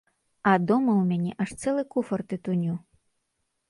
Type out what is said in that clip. А дома ў мяне аж цэлы куфар тытуню.